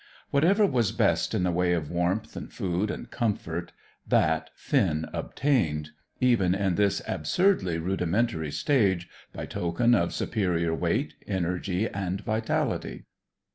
Whatever was best in the way of warmth, and food, and comfort, that Finn obtained, even at this absurdly rudimentary stage, by token of superior weight, energy, and vitality.